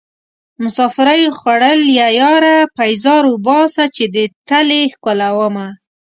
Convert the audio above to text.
مسافرۍ خوړليه ياره پيزار اوباسه چې دې تلې ښکلومه